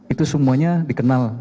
itu semuanya dikenal